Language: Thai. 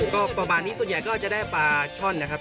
ก็ประมาณนี้ส่วนใหญ่ก็จะได้ปลาช่อนนะครับ